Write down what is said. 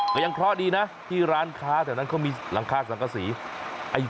ก็ยังเคราะห์ดีนะที่ร้านค้าแถวนั้นเขามีหลังคาสังกษี